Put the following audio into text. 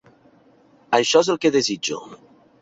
Això és el que desitjo.